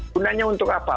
punannya untuk apa